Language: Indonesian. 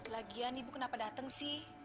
lagian ibu kenapa datang sih